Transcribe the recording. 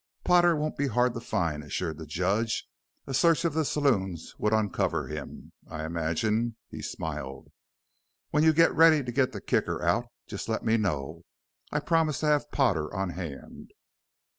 "Potter won't be hard to find," assured the judge; "a search of the saloons would uncover him, I imagine." He smiled. "When you get ready to get the Kicker out just let me know; I promise to have Potter on hand."